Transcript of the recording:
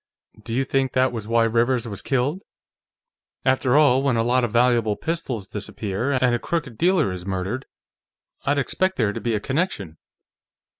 Do you think that was why Rivers was killed? After all, when a lot of valuable pistols disappear, and a crooked dealer is murdered, I'd expect there to be a connection."